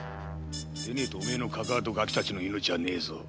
でねえとお前のカカアとガキたちの命はないぞ。